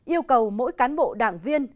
yêu cầu mỗi cán bộ đảng viên